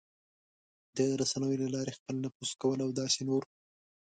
د رسنیو له لارې خپل نفوذ کول او داسې نور...